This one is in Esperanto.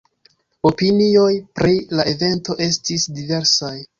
Opinioj pri la evento estis diversaj.